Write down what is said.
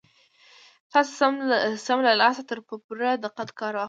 تاسې سم له لاسه ترې په پوره دقت کار واخلئ.